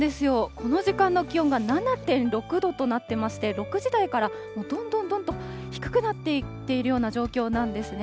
この時間の気温が７．６度となっていまして、６時台からどんどんどんどんと低くなっていっているような状況なんですね。